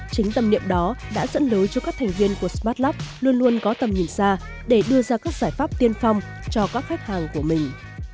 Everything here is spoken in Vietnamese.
chính tầm niệm đó đã dẫn lối cho các thành viên của smartlock luôn luôn có tầm nhìn xa để đưa ra các giải pháp tiên phong cho các khách hàng của mình